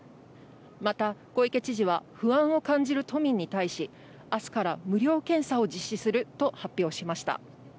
また、小池知事は、不安を感じる都民に対し、あすから無料検査を実施すると発表しました。